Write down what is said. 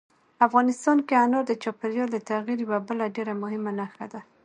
افغانستان کې انار د چاپېریال د تغیر یوه بله ډېره مهمه نښه ده.